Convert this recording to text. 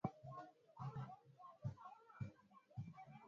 hifadhi ya serengeti inapatikana kasikazini mwa tanzania